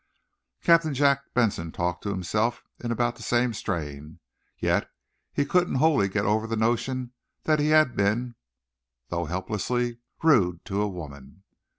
Captain Jack Benson talked to himself in about the same strain, yet he couldn't wholly get over the notion that he had been though helplessly rude to a woman.